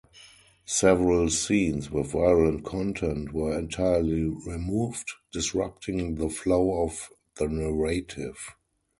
Several scenes with violent content were entirely removed, disrupting the flow of the narrative.